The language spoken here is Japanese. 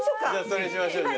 それにしましょう。